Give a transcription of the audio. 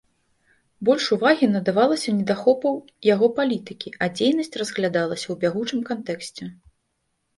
Больш увагі надавалася недахопаў яго палітыкі, а дзейнасць разглядалася ў бягучым кантэксце.